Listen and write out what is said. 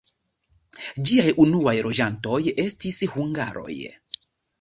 Ĝiaj unuaj loĝantoj estis hungaroj.